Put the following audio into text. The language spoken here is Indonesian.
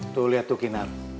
tuh lihat tuh kinar